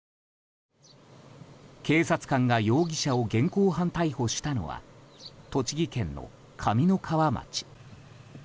警察官が容疑者を現行犯逮捕したのは栃木県の上三川町。